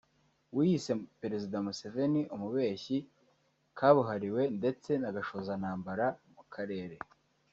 we yise Perezida Museveni Umubeshyi kabuhariwe ndetse na gashozantambara mu karere